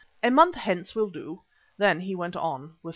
A month hence will do." Then he went on with the sale.